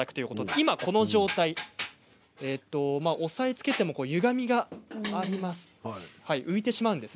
今この状態、押さえつけてもゆがみがあります。